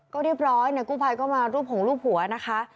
ก็เรียบร้อยเนี่ยกู้ภัยก็มารูปหงรูปหัวนะคะ